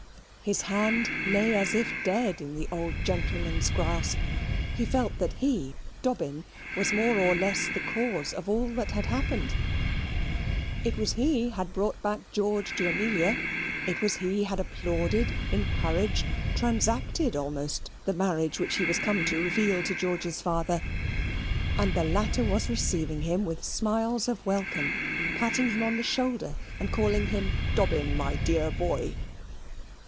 His hand lay as if dead in the old gentleman's grasp. He felt that he, Dobbin, was more or less the cause of all that had happened. It was he had brought back George to Amelia: it was he had applauded, encouraged, transacted almost the marriage which he was come to reveal to George's father: and the latter was receiving him with smiles of welcome; patting him on the shoulder, and calling him "Dobbin, my dear boy."